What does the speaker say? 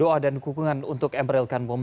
doa dan dukungan untuk emre elkan momtaz pusat